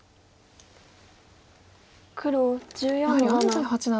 黒１４の七。